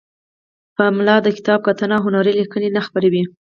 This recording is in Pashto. پملا د کتاب کتنه او هنری لیکنې نه خپروي.